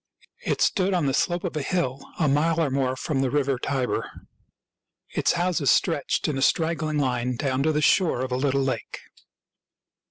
It stood on the slope of a hill, a mile or more from the river Tiber. Its houses stretched in a straggling line down to the shore of a little lake.